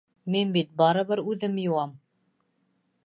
Мин бит барыбер үҙем йыуам.